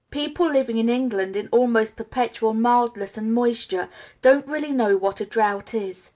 People living in England, in almost perpetual mildness and moisture, don't really know what a drought is.